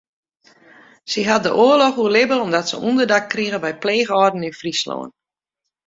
Sy hat de oarloch oerlibbe omdat se ûnderdak krige by pleechâlden yn Fryslân.